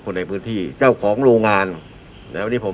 คนในพื้นที่เจ้าของโรงงานนะวันนี้ผม